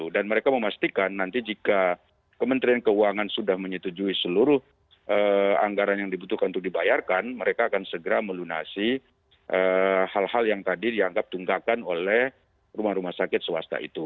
dan mereka memastikan nanti jika kementerian keuangan sudah menyetujui seluruh anggaran yang dibutuhkan untuk dibayarkan mereka akan segera melunasi hal hal yang tadi dianggap tunggakan oleh rumah rumah sakit swasta itu